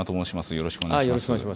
よろしくお願いします。